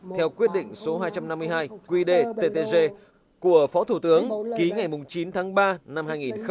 theo quyết định số hai trăm năm mươi hai quy đề ttg của phó thủ tướng ký ngày chín tháng ba năm hai nghìn một